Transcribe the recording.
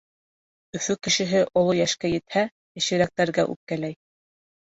Өфө кешеһе оло йәшкә етһә, йәшерәктәргә үпкәләй.